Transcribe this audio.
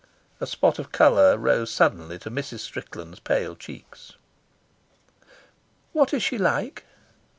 A spot of colour rose suddenly to Mrs. Strickland's pale cheeks. "What is she like?"